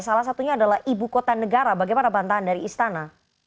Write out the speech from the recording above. salah satunya adalah ibu kota negara bagaimana bantahan dari istana